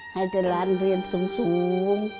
ให้จะร้านเรียนสูง